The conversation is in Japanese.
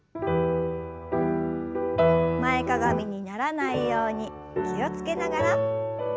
前かがみにならないように気を付けながら。